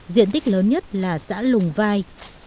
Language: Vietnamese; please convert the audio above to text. diện tích lớn nhất là xã lùng vai